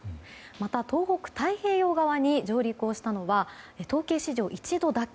また、東北、太平洋側に上陸したのは統計史上１度だけ。